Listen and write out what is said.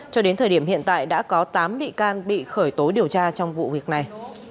cho đến thời điểm hiện tại đã có tám bị can bị khởi tố điều tra trong vụ việc này